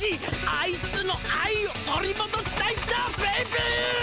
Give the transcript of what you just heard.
あいつの愛を取りもどしたいんだベイビー！